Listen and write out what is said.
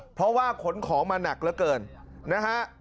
เพราะว่าขนของมาหนักเหลือเกินนะฮะ